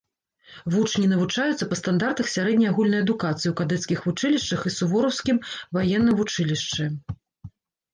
Вучні навучаюцца па стандартах сярэдняй агульнай адукацыі ў кадэцкіх вучылішчах і сувораўскім ваенным вучылішчы.